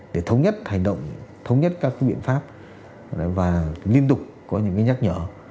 để thống nhất hành động thống nhất các cái biện pháp và liên tục có những cái nhắc nhở